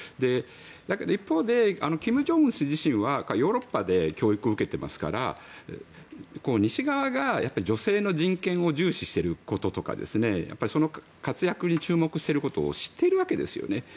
だけど一方で金正恩氏自身はヨーロッパで教育を受けていますから西側が女性の人権を重視していることとか活躍に注目していることを知ってるわけですね。